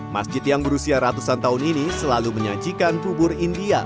masjid yang berusia ratusan tahun ini selalu menyajikan bubur india